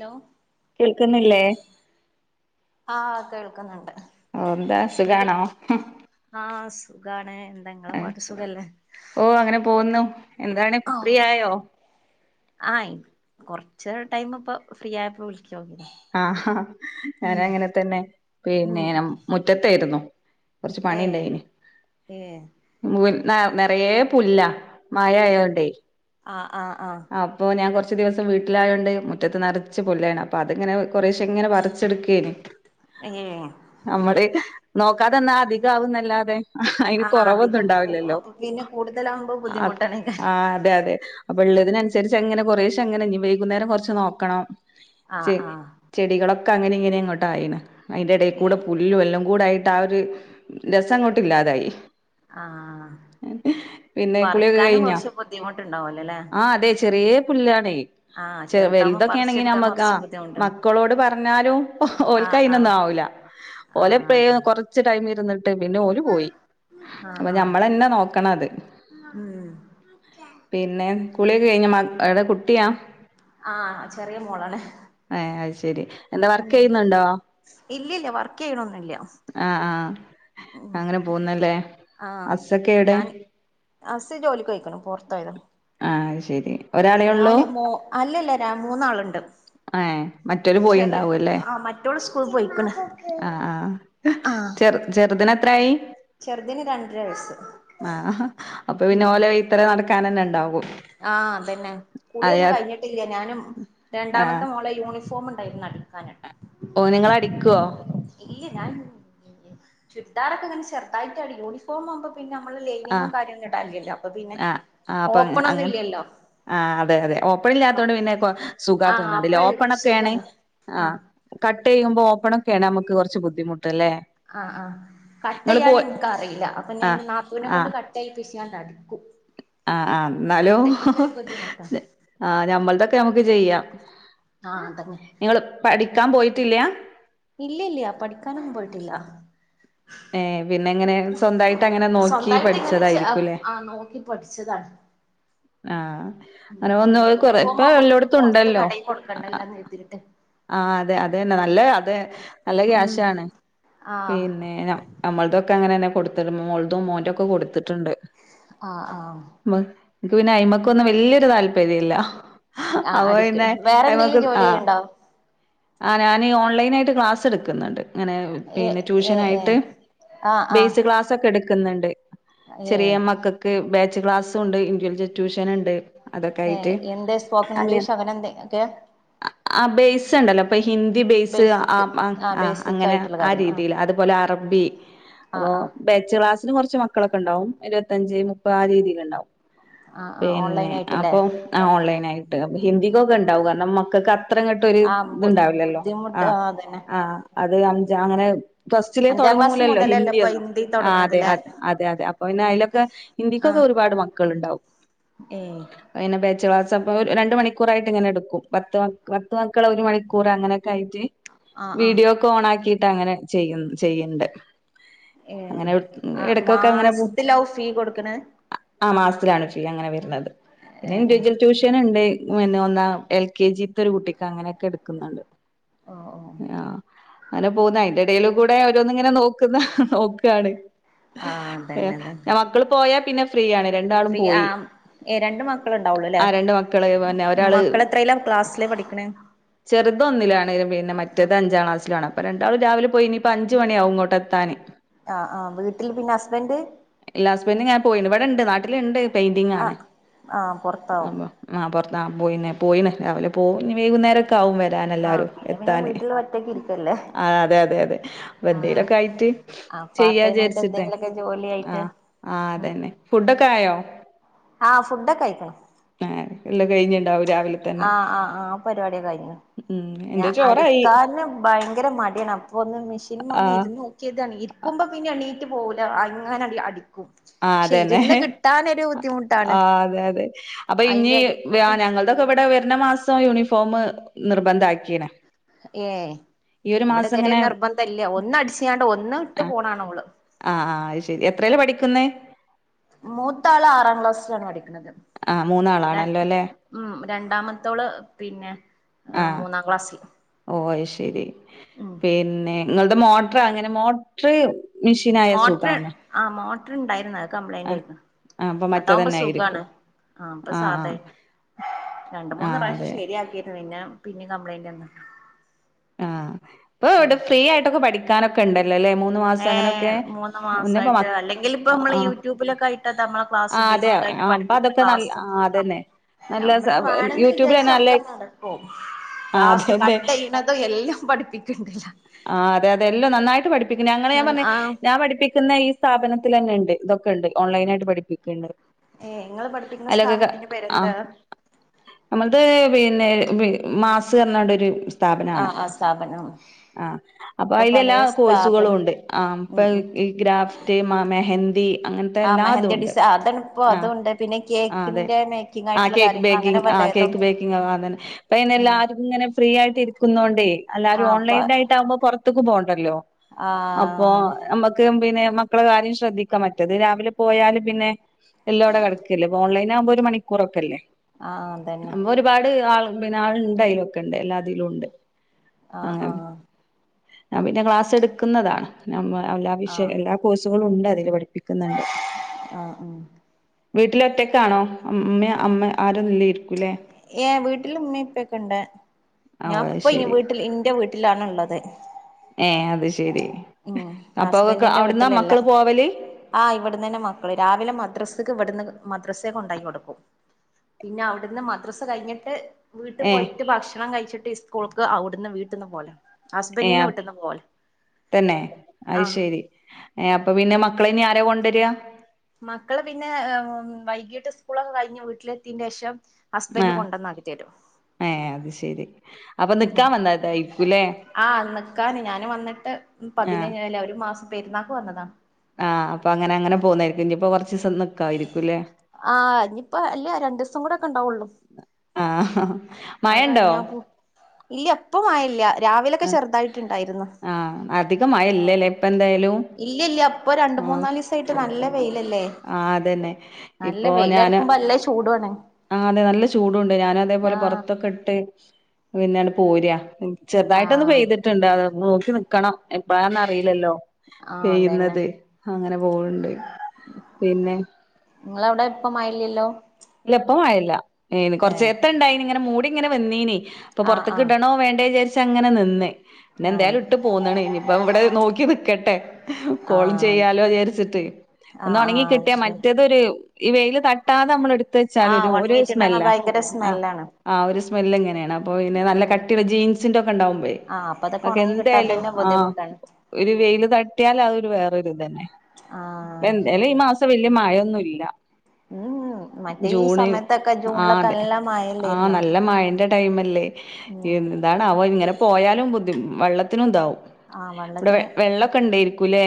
Law കേൾക്ക്ന്നില്ലേ ആഹ് കേൾക്കുന്നുണ്ട് ക്ക് ആഹ് സുഖാണ് എന്താങ്ങളെ പാട് സുഖല്ലേ ഓ അങ്ങനെ പോകുന്നു എന്താണ് ആഹ് ഫ്രീയായോ കൊർച്ചൊരു ടൈം ഇപ്പൊ ഫ്രീയായപ്പോ വിളി ആ ഞാനങ്ങനെ തെന്നെ പിന്നെ ഉം മുറ്റത്തേര്ന്നു കൊർച്ച് ഏഹ് പണിണ്ടേയ് ന് ഏഹ് [unintelligible] ന നെറയെ പുല്ലാ മഴ മു ആയോണ്ടേ ആഹ് ആഹ് ആഹ് അപ്പൊ ഞാൻ കൊറച്ച് കുറച്ച് ദിവസം വീട്ടിലായോണ്ട് മുറ്റത്ത് നെറച്ച് പുല്ലായണ് അപ്പ അത്ങ്ങനെ വെ കൊറശെ ഇങ്ങനെ പറച്ചെടുക്കെനി ഏഹ് നമ്മടെ ഒക്കെ നോക്കാതെന്നാ അധികാവുന്നല്ലാതെ അയിന് ആഹ് കൊറവൊന്നും അധികം ഉണ്ടാവില്ലല്ലോ പിന്നെ കൂടുതലാവുമ്പോ അപ് ബുദ്ധിമുട്ടാണേക്കാരം ആഹ് അതെ അതെ അപ്പോ ഇള്ളതിനനുസരിച് അങ്ങനെ കൊറേശെ അങ്ങനെ ഇനി വൈകുന്നേരം കൊറച്ച് നോക്കണം. ആഹ് ചെ ആഹ് ചെടികളൊക് അങ്ങനിങ്ങനെ ഇങ്ങോട്ട് ആയീണ്. അതിൻ്റെ ഇടയി കൂടെ ഏഹ് പുല്ലും എല്ലാം കൂടായിട്ട് ആ ഒരു രസം അങ്ങോട്ട് ഇല്ലാതായി ആഹ് പിന്നെ കുളിയൊക്കെ പറിക്കാനും കഴിഞ്ഞാ? കൊറച്ച് ബുദ്ധിമുട്ടുണ്ടാവല്ലോ ല്ലേ ആഹ് അതെ ചെറിയ പുല്ലാണെ, ആഹ് ചെറുതാവുമ്പോ വലുതൊക്കെ ആണെങ്കി പറിച്ചെടുക്കാൻ ഞമ്മക്ക് കൊറച്ച് ആഹ് ബുദ്ധിമുട്ടാണ് മക്കളോട് പറഞ്ഞാലും ആഹ് ഓൽക്കയിനൊന്നും ആഹ് ആവൂല, ഓൽ ആഹ് എപ്പഴേ അതെ [unintelligible] കൊറച്ച് ടൈ മിരിന്ന് ട്ട് പിന്നെ ഓര് പോയി, ആഹ് അപ്പൊ ആഹ് ഞമ്മളന്നെ നോക്കണത്, ഉം പിന്നെ കുളിയൊക്കെ കഴിഞ്ഞാ മ ഏടെ കുട്ടിയാ? ആഹ് ചെറിയ മോളാണ് ഏഹ് അയ് ശെരി എന്താ വർക്കെയ്യ്ന്ന് ഇണ്ടോ? ഇല്ലി ഇല്ല വർക്കെയ്യ്ണൊന്ന് ന്നില്ല ആഹ് അങ്ങനെ പോകുന്നല്ലേ ആഹ് ഹസ്സൊക്കെ എവിടെ ഞാൻ അഫ്സ ജോലിക്ക് പൊയ്ക്കുണു പൊർ ത്തൊയെതാ ആഹ് അയ് ശരി ഒരാളെ ഉള്ളൂ ഞാന് മോ അല്ല അല്ല മൂന്നാൾ ഇണ്ട് ഏ മറ്റൊരു ചെറിയ പോയിണ്ടാവും അല്ലേ ആഹ് മറ്റോൾ സ്കൂ ൾ പോയിക്ക്ണ് ആഹ് ആഹ് ചെറ് ചെർതിന് എത്രെ ആയി ചെറുതിന് രണ്ടര വയസ്സ് ആഹ് അപ്പ പിന്നെ ഓലെ വെയ്ത്തെലെ നട്ക്കാനെന്നെ ഇൺ ണ്ടാവു ആഹ് അതന്നെ കുളിയൊന്നും കഴിഞ്ഞിട്ടില്ല ഞാനും ആഹ് രണ്ടാമത്തെ മോളെ യൂണി- ഫോമിണ്ടാരുന്ന് [unintelligible] ഓ നിങ്ങള അടിക്കോ ഉം ചുരിദാറക്കിങ്ങനെ ചെറുതായിട്ടടിക്കും യൂണഫോമൊന്നും പിന്നെമ്മളെ ആഹ് ലൈനിങ്ങും കാര്യന്നും ഇടാല്ലല്ലോ ഓ പിന്നെ ആഹ് ആഹ് അപ്പൊ [unintelligible] അങ്ങനെ ആ അതെ അതെ ആഹ് ഓപ്പണില്ലാത്തോണ്ട് പിന്നെ സുഖാ അപ്പ തോന്ന്ണ്ട് ഓപ്പണൊക്കെണ് സുഖാണ് ആ ആഹ് കട്ടെയ്യുമ്പോ ഓപ്പണ് ക്കേണ് ഞമ്മക്ക് കൊർച്ച് ബുദ്ധിമുട്ട് ആ ആ പോ കട്ടെയ്യാനിന്ക്കറീലാ അപ്പൊ ആഹ് ഞാന്റെ നാത്തൂനേകൊണ്ട് കട്ടെയ്പ്പിച്ച് ണ്ടടിക്കും ആ ആ ന്നാലും ബുദ്ധിമുട്ടാ ആ ഞമ്മളതൊക്കെ ഞമ്മക്ക് ചെയ്യാ ആഹ് അതന്നെ ങ്ങള് പഠിക്കാൻ പോയി ട്ടില്ല ഇല്ല ല്ല പഠിക്കാനൊന്നും പോയിട്ടില്ല ഏ പിന്നെങ്ങനെ സ്വന്തായിട്ടങ്ങനെ നോക്കി സ്വന്തായിട്ട് ഇങ്ങനെ ചെ പഠിച്ചതായിരിക്കൂല്ലേ ആഹ് നോക്കി പഠിച്ചതാണ് ആഹ് ഉം അനെഒന്ന് പിന്നെ ഒഹ് കൊറെ യൂണിഫോം ഇപ്പ ആവുമ്പോ പിന്നെ പൊറത്ത് എല്ലോട്ത്തുണ്ടല്ലോ കടയിൽ കൊടുക്കണ്ടല്ലോന്ന് കരുതിയിട്ട് ആഹ് അതെ അത്എന്നെ നല്ലേയാ അതെ നല്ല ഉം ക്യാഷാണ് ആഹ് പിന്നെ നം നമ്മൾതൊക്- ഒക്കങ്ങനെഞെ കൊടുത്ത്ക്ക്ണ് മോൾതും മോന്റൊക്കെ കൊട്ത്ത് ട്ട്ണ്ട് ആഹ് ആഹ് മ്മക്- ഇൻക്ക് പിന്നെ അയ്മക്കൊന്നും വല്യൊരു താല്പര്യല്ല ആഹ് അപ്പൊ പിന്നെ അടിക്കലും വേറെ എന്തെലും ജോല്യയ്യ്ണ്ടോ ആഹ് ഞാന് ഓൺലൈനായിട്ട് ക്ലാസ് എട്ക്ക്ന്ന്ണ്ട് ങ്ങനെ ഏ പിന്നെ ഏ ഏ ട്യൂഷനായിട്ട് ആഹ് ആഹ് ബേസ് ക്ലാസ്സൊക്കെ എട്ക്‌ ക്ക്ന്ന്ണ്ട്. ഏ ചെറിയ മക്കക്ക് ബെ റ്റ് ക്ലാസ്സൂണ്ട് ഇൻ [unintelligible] ട്യൂഷന് ഇണ്ട് അതൊക്കെ ഏ ആയിറ്റ് എന്ത് സ്പോക്കൺ അങ്ങെനെ ഇംഗ്ലീഷ് അങ്ങനെ എന്തെ ഒക്കെ ആഹ് ബേസ് ച്ചണ്ടെല്ലാപ്പെയ് ഹിന്ദി ബേസ് അ ബേസിക് മ് അ ആ ആഹ് ബേസിക് അങ്ങെനെ ആയിട്ടുള്ള ആ കാര്യങ്ങൾ രീതീല്, അതുപോലെ അറബി [unintelligible] ആഹ് അപ്പൊ ആഹ് ബാച്ച് ക്ലാസ്സ്‌ ഇത് കൊറച്ച് മക്കളൊക്കെ ഇണ്ടാവും ഇരുവത്തഞ്ച് മുപ്പ ആ രീതിലിണ്ടാവും ആഹ് ആഹ് ഓൺലൈൻ പിന്നെ ആയിട്ടില്ലേ അപ്പം ആ ഓൺലൈന് ആയി ട്ട് ഹിന്ദിക്കൊക്കെ ഇണ്ടാവും കാരണം മക്കക്ക് അ അത്രങ്ങട്ട് ഒര് ആ ബു ഇത്ണ്ടാവില്ലല്ലോ ആ ബുദ്ധിമുട്ട് അതന്നെ ആഹ് അത് അത് അഞ്ച അങ്ങനെ ഫസ്റ്റിലേ അഞ്ചാം ക്ലാസ് തൊടങ്ങൂലല്ലോ മുതലല്ലേ ഇപ്പൊ ഹിന്ദിയൊന്നും ഹിന്ദി ആ അതെ തുടങ്ങണതല്ലേ അതെ അതെ അതെ അപ്പ പിന്നെ അതിലൊക്കെ ഹിന്ദിക്കൊക്കെ ആഹ് ഒരുപാട് മക്കളുണ്ടാവും ഏ പിന്നെ ബാച്ച് ക്ലാസ്സ്‌ [unintelligible] രണ്ട് മണിക്കൂറായിട്ട് ഇങ്ങനെ എടുക്കും പത്ത് മക്ക് പത്ത് മക്കളെ ഒരു മണിക്ക് കൂറ് അങ്ങനൊക്ക് കായിറ്റ് ആഹ് ആഹ് വീഡിയോക്കെ ഓണാക്കി ട്ട് അങ്ങനെ ചെയ്യ് ചെയ്യണ്ട് ഏഹ് അങ്ങനെ ആ ഇടക്കൊക്കെ അങ്ങനെ പോവും. മാസത്തിലാവൂ ഫീ കൊടുക്കണേ? ആ മാസത്തിലാണ് ഫീ അങ്ങനെ വെരുന്നത് പിന്നെ ഏ ഏ ഇൻവിജ്വൽ ട്യൂഷൻ ഇണ്ട് പിന്നെ ഒന്നാ എൽ കെ ജി ത്ത് ഒര് കുട്ടിക്ക് അങ്ങനൊക്കെ ഇട്ത്ത് ക്ക്ന്ന് ഇണ്ട് ഓ ഓ ആ അങ്ങനെ പോവ്ന്ന് അയിന്റെ എടെൽ കൂടെ ഓരോന്ന് ഇങ്ങനെ നോക്ക്ന്ന് നോക്കാണ് ആഹ് എ അതന്നെ അതന്നെ ഞാൻ മക്കൾ പോയാ പിന്നെ എഫ് ഫ്രീ ആ ഏ രണ്ട് മക്കൾ ഇണ്ടാവൊള്ളുലെ ആ രണ്ട് മക്കള് പിന്നെ മ് ഒരാള് മക്കൾ എത്രെലാ ക്ലാസിൽ പഠിക്ക്ണെ ചെറുത് ഒന്നിലാണ് പിന്നെ മറ്റത് അഞ്ചാം ക്ലാസ്സിൽ ആ അപ്പ രണ്ടാളും രാവിലെ പോയി ഇനി പ്പം അഞ്ചു മണിയാവും ഇങ്ങോട്ട് എത്താൻ ആഹ് ആഹ് വീട്ടിൽ പിന്നെ ഹസ്ബൻഡ് ഇല്ല ഹസ്ബെൻന്റ് ഇങ്ങനെ പോയിണ് ഇവടെണ്ട് നാട്ട്ൽ ഇ ണ്ട് പെയ്ന്റിങ്ങാണ് ആഹ് ആഹ് പൊറത്താവും അപ്പൊ ആ പൊർ ആ പോയിന്നേ പോയിണ് രാവിലെ പോവും ഇഞ് വൈകുന്നേരം ക്കാവും വെരാൻ ആഹ് എല്ലാരും പിന്നെ പിന്നെ എത്താന് വീട്ടിൽ ഒറ്റക്ക് ഇരിക്കല്ലേ ആ അതെ അതെ അതെ അപ്പ ആഹ് എന്തേലൊക്കെ ആയിട്ട് ആഹ് പാർട്ട് ചെയ്യാ ടൈം ആയിട്ട് വിചാര്ച്ചിട്ടെ എന്തെങ്കിലുമൊക്കെ ജോലി ആ ആയിട്ട് ആ അതെന്നെ ഫുഡൊക്കെ ആയോ ആ ഫുഡൊക്കെ അയിക്ക്ണ് കെഴിഞ്ഞ്ണ്ടാവും രാവിൽ തന്നെ ഉം [unintelligible] ഞ എന്റെ ചോറായി അടിക്കാന് ഭയങ്കര മടിയാണ് അപ്പൊ ഒന്ന് മിഷീൻമ്മെ ആ ഒന്ന് ഇര്ന്നോക്കിയെതാ ക്കാണ് ഇര്ക്കുമ്പോ പിന്നെ എണീ [unintelligible] പോവൂല അങ്ങനെ അടി അടിക് ആഹ് അതന്നെ ബുദ്ധിമുട്ടാണ് ആഹ് അതെ അതെ അപ്പൊ ഇനി അയിന്റെ എടയിൽ വ്യ കൂടി ഞങ്ങൾതൊക്കെ പെ ഇവടെ വെര്ന്ന മാസം യൂണിഫോമ് നിർബന്ധാക്കീണ്. ഏഹ് ഈ ഒരു ഇവടെ മാസം തെരെ ഇങ്ങനെ നിർബന്ധല്ല ഒന്നട്ച്യാണ്ട് ഒന്ന് ഇട്ട് പോണാണ ഓള്. എത്രേല പഠിക്ക് ന്നെ? മൂത്താള് ആറാം ക്ലാസ്സിലാണ് പഠിക്കു ആ മൂന്നാളാണല്ലോ അല്ലേ ഉം രണ്ടാമത്തോള് പിന്നെ ആ മൂന്നാം ക്ലാസ്സിൽ ഓ അത് ശരി ഉം പിന്നെ ഇങ്ങൾത് മോ പ്പ അങ്ങനെ മോട്ര് മെഷീനായ സുഖാണ് ട്ട്ണ്ടായിര്ന്ന ആഹ് കംപ്ലയ്ൻ്റായ്‌ര്ന്ന് ആഹ് അപ്പൊ അതാവുമ്പ മറ്റേതന്നെ സുഖാണ് ആയിരിക്കും ആഹ് പ്പ സാധ രണ്ട് മൂന്ന് ആഹ് പ്രാവശ്യ അതെ ശരിയാക്കിര്ന്ന് പിന്നെ പി കംപ്ലെയ്ൻ്റെന്ന് ആഹ് പ്പോ വടെ ഫ്രീ യായിട്ടൊക്കെ പഠി ക്കാനൊക്കെ ഉണ്ട് ഏഹ് മൂന്നു മുന്നേപ്പോ മ മാസമായിട്ട് അല്ലെങ്കിൽ ഇപ്പ നമ്മ ആഹ് യൂട്യൂബിലൊക്കെ ആയിട്ടാ നമ്മളെ ആ ക്ലാസ്സ അതെ ബേസിക് ആയിട്ട് ആ അപ്പൊ പഠിപ്പിക്കണ അതൊക്കെ നല്ല ക്ലാസ്സും ആ അതന്നെ നല്ല നമ്മളെ വേണന്ന് യൂട്യൂബിൽന്നെ വിചാരിച്ച നല്ല ഒക്കെ നടക്കും ആ ക്ലാസ് അതെതെ കട്ടു ചെയ്യണതും എല്ലാം പഠിപ്പിക്കണ്ടില്ല ആ അതെതെ എല്ലാം നന്നായിട്ട് പഠിപ് ങ്ങനെ അങ്ങനെയാ ഞാൻ പറഞ്ഞെ ആ ഞാൻ പഠിപ്പിക്കുന്ന ഈ സ്ഥാപനം ലെന്നെണ്ട് ഇതൊക്കെണ്ട് ഓൺലൈനായിട്ട് പഠിപ്പിക്കണ്ട് ഏ ഇങ്ങള് പഠിപ്പിക്കുന്ന അലൊക്കെ സ്ഥാപനത്തിന്റെ ആ പേരെന്താ നമ്മൾത് പിന്നെ ബി മാസ് എങ്ങാണ്ടൊരു ആഹ് ആഹ് സ്ഥാപനം ആ അപ്പൊ ഇപ്പൊ അയില് എല്ലാ പലേ കോഴ്സുകളും സ്ഥാപനം ഉണ്ട് ആ ഉം ഇപ്പം ഉം ഗ്രാഫ്റ്റ് മാ മെഹന്തി അങ്ങനത്തെ ആ എല്ലാ ഇതും മെഹന്തി ഉണ്ട് ഡിസ അതാണ് ഇപ്പോ ആ അതുണ്ട് പിന്നെ ആ അതെ കേക്കിന്റെ മേക്കിംഗ് ആ ആയിട്ടുള്ള കേക്ക് കാര്യങ്ങൾ അങ്ങനെ ബേക്കിംഗ് ആ പലേതും കേക്ക് ബേക്കിംഗ് അങ്ങനെ പിന്നെ ഉം എല്ലാർക്കും ഇങ്ങനെ ഫ്രീ ആയിട്ട് തിരിക്കുന്നോണ്ടേ ആ എല്ലാരും അപ്പ ഓൺലൈൻ നായിട്ട ആകുമ്പോ പൊറ ത്തെക്ക് പോകണ്ടല്ലോ ആ അപ്പൊ അങ്ങനെ തന്നെ നമ്മക്കും പിന്നെ മക്കളെ കാര്യം ശ്രദ്ധിക്ക മറ്റേത് രാവിലെ പോയാലും പിന്നെ എല്ല അവടെ കെടക്കലേ അപ്പോ ഓൺലൈനാകുമ്പോ ഒരു മണിക്കൂറൊക്കല്ലേ ആ അതന്നെ നമ്മ ഒരുപാട് ആൾ പിന്നെ ആ [unintelligible] ക്ക്ണ്ട് എല്ലാതിലും ണ്ട് ആ ആ ഞാൻ പിന്നെ ക്ലാസ്സെടുക്ക്ന്നതാണ് നമ്മ എല്ലാ ആ വിഷയം എല്ലാ കോഴ്സുകളും ഉണ്ട് അതി - [unintelligible] ക്ക്ന്ന്ണ്ട് ആ ഉം വീട്ടില് ഒറ്റക്കാണോ മ്മ്യ അമ്മെ ആരും ഇല്ലെയ്ര് ഏഹ് വീട്ടിൽ ഇമ്മിം ഇപ്പെ ക്കെണ്ട് ഓ ഞാ അത് ഇപ്പ അയിന് ശരി വീട്ട്ൽ ഇന്റെ വീട്ട് ട്ട്ലാണ് ഇള്ളെത് ഏഹ് അത് ശരി ഉം അപ്പൊ ഹസ്ബെന്റിന്റെ അവിടുന്നാ വീട്ട്ൽ അല്ല മക്കള് പോവല് ആഹ് ഇവെട്ന്നെന്നെ മക്കെൾ രാവിലെ മദ്രാസ്ക്ക് ഇവെട്ന്ന് മദ്രസേക്ക ഉണ്ടാക്കി കൊടുക്കും പിന്നെ അവിടുന്ന് മദ്രസ കഴിഞ്ഞിട്ട് വീട്ടിൽ ഏ പോയിട്ട് ഭക്ഷണം കഴിച്ചിട്ട് ഇ സ്കൂൾക്ക് അവിടന്ന് വീട്ടിന്ന് പോലെ ഹസ്ബൻഡിനെ വിട്ടൊന്നും പോവല്ല് ങേ അത് ശരി ങേ അപ്പൊ പിന്നെ മ ക്കളെ ഇനി ആരാ കൊണ്ടൊരിക മക്കള് പിന്നെ വൈകീട്ട് സ്കൂളൊക്കെ കഴിഞ്ഞു വീട്ടിലെത്തീനേഷം ആ ഹസ്ബൻഡ് കൊണ്ടന്നാക്കി തരോ ഏ അത് ശരി അപ്പൊ ഉം നിക്കാൻ വന്നതായിരിക്കൂല്ലേ ആ നിക്കാന് ഞാന് വന്നിട്ട് ആ പതിനേ അല്ല ഒരു മാസം പെരുന്നാക്ക് വന്നതാ ആ അപ്പ അങ്ങനങ്ങന പോകുന്നെയായിരിക്കും ഇനി ഇപ്പൊ കുറച്ച് ദിവസം നിക്കായിരിക്കൂല്ലേ ആഹ് ഇനിയിപ്പോ അല്ല രണ്ട് ദിവസം കൂടെ ഒക്കെ ആഹ് ഹ ഹ ആ കഴിഞ്ഞാ പൂ ഇല്യ ഇപ്പൊ മഴല്ല്യ രാവിലൊക്കെ ആ ചെറുതായിട്ട് ണ്ട് ആഹ് അധിക മഴ ഇല്ലല്ലേ ഇപ്പ ന്തായാലും ഇല്ല ഇല്ല ഇപ്പൊ രണ്ട് ആഹ് മൂന്നാലീസായിട്ട് നല്ല വെയിലല്ലേ ആഹ് അതന്നെ നല്ല ഇപ്പൊ ഞാന് വെയിലറ്ക്കുമ്പോ നല്ല ചൂടുവാണ് ആഹ് അതെ നല്ല ചൂടുണ്ട് ഞാനതേപോലെ അതേപോലെ ആഹ് പൊറത്ത് ഇക്കൊട്ട് പിന്നെണ്ട് പോര ചെറുതായിട്ടൊന്ന് ആഹ് പെയ്‌ത്ട്ട്ണ്ട് അത് [unintelligible] ഇന്ന്ക്കണം എപ്പഴാന്നറീല്ലല്ലോ ആഹ് അതന്നെ പെയ്യുന്നത് അങ്ങനെ പോവ്ണ്ട് പിന്നെ നിങ്ങളവിടെ ഇപ്പ മഴയില്ലല്ലോ ഇല്ല ഇപ്പ മയല്ല്യ എന് കൊറച്ച് ഏഹ് നേരത്ത്ണ്ടായിനി ഇങ്ങനെ മൂടി ഇങ്ങനെ വന്നീനി അപ്പൊ ആഹ് പൊറത്തക്ക് ആഹ് ഇടണോ വേണ്ടേ വിചാരിച്ച് ച്ച് അങ്ങനെ നിന്ന് ആഹ് എന്തായാലും ഇട്ട് പോന്നാളി ഇനിയിപ്പ ഇവിടെ നോക്കി നിക്കട്ടെ കോള് ആഹ് ചെയ്യാലോ വിചാരിച്ചിട്ട് ഒന്ന് ആഹ് ഉണങ്ങി ആഹ് കിട്ടിയ ശരി മറ്റേതൊരു ഈ വെയിൽ തട്ടാതെ നമ്മള് എടു ത്ത് വച്ചാൽ ആഹ് ഒരു ഒണങ്ങിട്ടുണ്ടെങ്കി സ്മെല്ലാ ഭയങ്കര ആ സ്മെല്ലാണ് ആ ഒരു മെല്ല ങ്ങന ന്നാപ്പോ പിന്നെ നല്ല ഉം കട്ടിള്ളെ ജീൻസിന്റെ ഒക്കെ ഇണ്ടാവുമ്പെ ആഹ് അപ്പൊ അതൊക്കെ അയൊക്കെ ഒണങ്ങി കിട്ടാൻ എന്തായാലും തന്നെ ആഹ് ബുദ്ധിമുട്ടാണ് ഒര് വെയിൽ തട്ടിയാൽ അയ് [unintelligible] [unintelligible] ആഹ് എന്തായാലും ഈ മാസം വലിയ മഴ ഒന്നു [unintelligible] മ് ഹ് ജൂണ് ആഹ് അതെ ആഹ് മഴയല്ലായിരുന്നോ നല്ല മഴേന്റെ ടൈമല്ലേ ഉം എന്താണാവോ ഇങ്ങനെ പോയാലും ബുദ്ധി വെള്ളത്തിനും എന്താവും. ആഹ് ഇവിടെ വെ വെള്ളത്തിന് വെള്ളെക്കെ ഇണ്ടായിരിക്കൂല്ലേ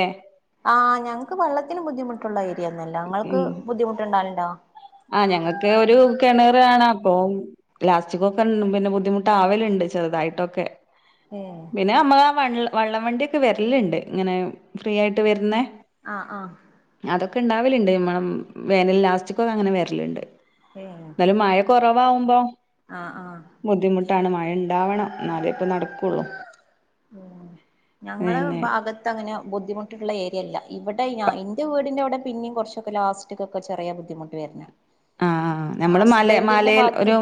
ആഹ് ഞങ്ങക്ക് വെള്ളത്തിന് ബുദ്ധിമുട്ടുണ്ടായി. [unintelligible] ഇങ്ങൾക്ക് ഉം ബുദ്ധിമുട്ടുണ്ടാവലുണ്ടോ? പ്പെഏണപോയി ലാസ്റ്റ്ക്കൊകെ പിന്നെ ബുദ്ധിമുട്ട് ആവല്ണ്ട് ചെറുതായിട്ടൊക്കെ ഏഹ് പിന്നെ നമ്മളാ വെള്ള് വള്ളം വണ്ട്യെക്കെ വര്ല്ണ്ട് ഇങ്ങനെ ഫ്രീ ആയിട്ട് വര്ന്നെ ആഹ് ആഹ് ഒക്കെ ഇണ്ടാവല്ണ്ട് നമ്മ വേനൽ ലാസ്റ്റ്ക്കോ അങ്ങനെ വര്ല്ണ്ട് ഏഹ് ന്നലും മഴ കൊറവ്- ഇപ്പാവുമ്പം ആഹ് ആഹ് ബുദ്ധിമുട്ടാണ് മഴ ഇണ്ടാവണം എന്നാലേ ഇപ്പ നടക്കുള്ളൂ ഉം ഞങ്ങള പിന്നെ ഭാഗത്ത് അങ്ങനെ ബുദ്ധിമുട്ടുള്ള ഏരിയല്ല ഇവിടെ ഞ ഇന്റെ വീടിന്റെ അവിടെ പിന്നെയും കുറച്ചൊക്കെ ലാസ്റ്റ്ക്കൊക്കെ ചെറിയ ബുദ്ധിമുട്ട് വരുന്ന ആ നമ്മള് മല മലയിൽ ഒരു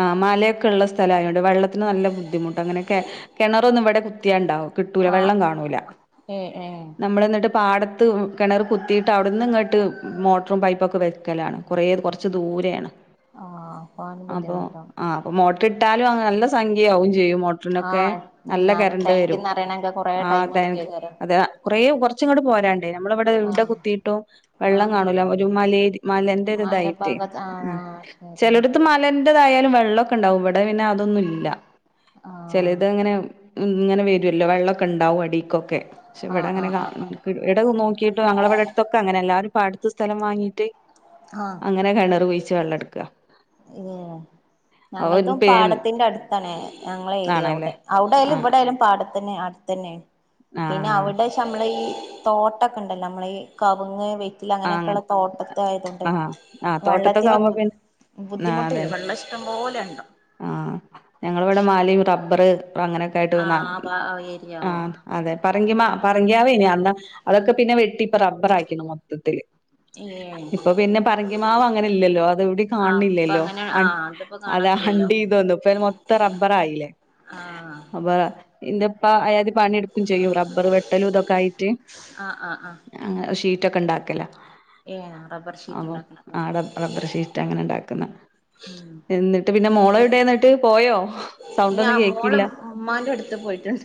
ആ മലയൊക്കെ ഉള്ള സ്ഥലയൊണ്ട് വെള്ളത്തിന് നല്ല ബുദ്ധിമുട്ട് അങ്ങനെ കെ കെണറൊന്നും ഇവിടെ കു ത്തിയണ്ടാവും കിട്ടൂല ആ വെള്ളം കാണൂല ഏ ഏ നമ്മള് എന്നിട്ട് പാടത്ത് കിണറ് കുത്തിയിട്ട് അവിടെന്ന് ഇങ്ങോട്ട് മോട്ടറും പൈപ്പൊക്കെ വയ്ക്കലാണ് കുറേ കുറച്ച് ദൂരെയാണ് ആ അപ്പൊ അവന് അപ്പൊ ബുദ്ധിമുട്ടാവും ആഹ് അപ്പൊ മോ ട്ടിട്ടാലും അതന്നെ നല്ല സംഖ്യയാവും ചെയ്യും മോട്ടറിനൊക്കെ ആഹ് നല്ല നറ കരണ്ട് ടേങ്കി വരും നറയണെങ്കി കൊറേ ടൈമ് അടിക്ക കര കൊറച്ച് ഇങ്ങോട്ട് പോരാ ണ്ട് നമ്മള ഇവിടെ ഇവിടെ കുത്തിട്ടും ആ വെള്ളം ആ കാണൂല ഒരു മലെ മലൻ്റെ ഇതായിട്ടേ മലഭാഗത്ത് ആ ഉം ആ ശരി ചെലടത്ത് മലൻ്റെതായാലും വെൾ ള്ളൊക്കെണ്ടാവും ഇവ് ഇടെ പിന്നെ അതൊന്നും ഇല്ല ആ ചെലേത് അങ്ങനെവും ങ്ങനെ വെരൊല്ലോ വെള്ളൊക്കണ്ടാവും അടീക്കൊക്കേ ആ ആ ഇവടങ്ങനെ കാ ആ ഉം കി എട നോക്കീട്ട് ഞങ്ങളെ ഇവടെ അട്ത്തൊക്കങ്ങനെ എല്ലാരും പാട്ത്ത് സ്ഥലം വാങ്ങീട്ടെ ആഹ് ഏഹ് ഞങ്ങള്തും എടുക്കുക പാടത്തിന്റെ അട്ത്താണെ ഞങ്ങളെ ഏരിയ ആണല്ലേ അവ്ടെ ഔടായാലും ആഹ് ഇവടായാലും പാട ത്തിന് അട്ത്തന്നെ പിന്നെ ആഹ് അവ്ടേച്ചാ അമ്മളെ ഈ തോട്ടൊക്കണ്ടല്ലോ അമ്മള ഈ കവ്ങ്ങ് വെ റ്റില ആഹ് അങ്ങനെ അങ്ങനെയൊക്കള്ളെ തോട്ടത്ത് ആയതോ ആഹ് ആഹ് തോട്ടത്തൊക്കെ ആവുമ്പോ പിന്നെ ആ ബുദ്ധിമുട്ടില്ല അതന്നെ വെള്ളം ഇഷ്ടം പോലെ ഉണ്ട് ആഹ് ഞങ്ങളി ഇവിടെ മലയും റബ്ബറ് ഇപ്പൊ അങ്ങനെയൊക്കെ ആയിട്ട് ആ [unintelligible] ആ ആ ഏരിയാവോ അതെ പറിങ്കിമാ പറി-, [unintelligible] അതൊക്കെ പിന്നെ വെട്ടി ഇപ്പൊ റബർ ആക്കി [unintelligible] മൊത്തത്തില് ഏ ഇപ്പൊ പിന്നെ പറങ്കിമാവ് അങ്ങനെ ഇല്ലല്ലോ അത് ഇവിടെ ആ അപ്പൊ കാണണില്ലല്ലോ അങ്ങനെ ആ അതിപ്പോ കാണാൻ അതാ കഴിയല്ലോ അണ്ടി [unintelligible] ഇപ്പം മൊത്തം റബ്ബറായില്ലേ ആ അപ്പൊ [unintelligible] [unintelligible] പണിയെടുക്കും ചെയ്യും റബ്ബർ വെട്ടലും ഇതൊക്കെ ആയിട്ട് ആ ആ ആ ആ ഷീറ്റ് റ്റക്കണ്ടാ ക്കെല്ല ഏ റബ്ബർ ഷീറ്റ് ആന്നോ ഉണ്ടാക്കണ ആട റബർഷീറ്റ അങ്ങനെ ഇണ്ടാക്കുന്ന ഉം എന്നിട്ട് പിന്നെ മോളെവിടെ എന്നിട്ട് പോയോ സൗണ്ട് ഞാ ഒന്നും മോള് കേക്കില്ല ഉമ്മാന്റെ അടുത്ത് പോയിട്ടുണ്ട്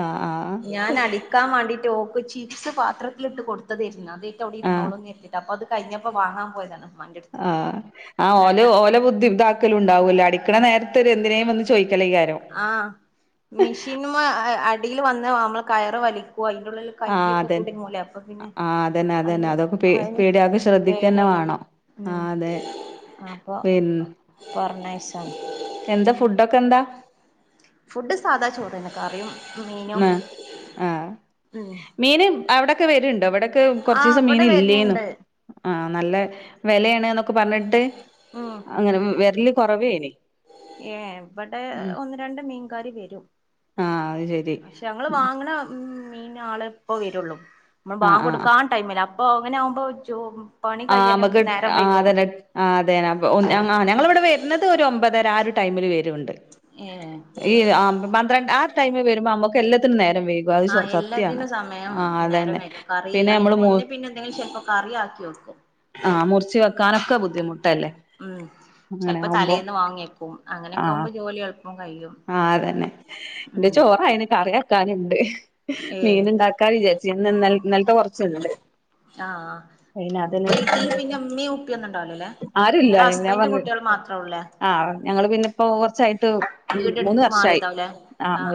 ആഹ് ആഹ് ഞാൻ അടിക്കാൻ വാണ്ടിട് ഓക്ക് ചിപ്സ് പാത്രത്തിലിട്ട് കൊടുത്തതായിരുന്നു അത് അവിടെ ആഹ് ഇരുന്നോളും എന്ന് കരുതിയിട്ട് അപ്പൊ അത് കഴിഞ്ഞപ്പോ വാങ്ങാൻ പോയതാണ് ഉമ്മാന്റെടുത്ത് ആ ആ ഓല് രണ്ട ഓല ബുദ്ധിണ്ടാക്കലുണ്ടാവൂല്ലോ അടിക്കണ നേരതത്ത് എന്തിനേലും വന്ന് ചോയ് ആ മിഷീൻമെ അട് ടിയിൽ വന്ന് നമ്മള് കയറ് വലി ഹൊ അയിന്റുള്ളില് ആഹ് കയ്യൊക്കെ അതന്നെ കുടുങ്ങൂലേ അപ്പൊ പിന്നെ ആഹ് അതന്നെ അതന്നെ അയിന് അതൊക്കെ പേ അയിന് പേടിയാകെ ശ്രദ്ധിക്കന്നെ പേട്യണ് വേണം ഉം ആഹ് അതെ അപ്പൊ പിൻ പറഞ്ഞയച്ച് ഏ എന്താ ഫുഡൊക്കെന്താ? ഫുഡ് സാദാ ചോറന്നെ കറിയും മീനും ണ് ആ ഉം മീന് അവടെ ക്കെ വെര് ഇവടൊക്കെ ആഹ് കൊർച്ചീസം ഇവിടെ മീനില്ലേന്നു വരുന്നുണ്ട് ആ നല്ല വെ ലേണ്ന്നൊക്കെ പർഞ്ഞിട്ട് അങ്ങനെ വെര്ല് കൊറവേനി ഏ ഇബടെ ഉം ഒന്ന് രണ്ട് മീൻകാര് വെരും ആഹ് അത് ശെരി അ ഷെ ഞങ്ങള് വാങ്ങ്ണ ഉം മീൻ ആളെ ഇപ്പ വെരൊള്ളൂ മ്മളെ ആഹ് ആഹ് ബാങ്കൊട്ക്കാൻ ടൈമില അപ്പൊ അങ്ങനെ ആകുമ്പോ പണി ആ കഴിയാനും നമുക്ക് നേരം ആ വൈകും അതന്നെ ആ അതന്നെ ആ ഞങ്ങടിവിടെ വരുന്നത് ഒരു ഒമ്പതര ആ ടൈമിൽ വേരുണ്ട്. ഏഹ് ഈ ആ പന്ത്രണ്ട് ആ ടൈമി വെരുമ്പോ നമ്മക്ക് എല്ലത്തിനും നേ ആഹ് എല്ലാത്തിനും സമയം നേരം അതന്നെ വെകും കറി പിന്നെ അയിന് നമ്മള് മു മുന്ന് പിന്നെ എന്തെങ്കിലും ചെൽപ്പം കറിയാക്കി വെക്കും ആഹ് മുറിച്ച് വെക്കാനൊക്കെ ബുദ്ധിമുട്ടല്ലേ ഉം അങ്ങനെ ചിലപ്പോ ആവുമ്പോ തലേന്ന് വാങ്ങിയേക്കും അങ്ങനെയൊക്കെ ആഹ് ആകുമ്പോ ജോലി എളുപ്പം കഴിയും ആഹ് അതന്നെ ന്റെ ഉം ചോറായിന് കറിയ ക്കാനിണ്ട് ഏഹ് മീന് ഉണ്ടാക്കാ വിചാരിച്ച് ഇന്നെന്താ ഇന്നൽത്തെ കൊറച്ച്ണ്ട് ആഹ് വീട്ടിൽ പിന്നെ ഉമ്മി ഉപ്പെയൊന്നു ആരുല്ല ഞാൻ പറഞ്ഞ് മാത്രേ ഉള്ളേ ആ ഞങ്ങള് പിന്നെ ഇപ്പോ കുറച്ചായിട്ട് മൂന്ന് വീടെടുത്ത് വർഷമായി മാറിയതാവുല്ലേ ആ